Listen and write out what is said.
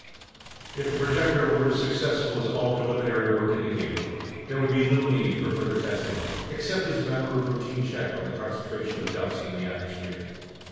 If the projector were as successful as all preliminary work indicated, there would be little need for further testing except as a matter of routine check on the concentration of dust in the atmosphere.